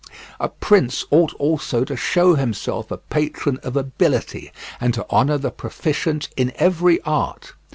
A prince ought also to show himself a patron of ability, and to honour the proficient in every art.